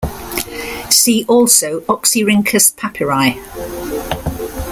See also Oxyrhynchus Papyri.